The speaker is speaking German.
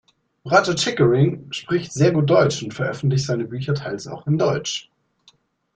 Roger Chickering spricht sehr gut Deutsch und veröffentlicht seine Bücher teils auch in Deutsch.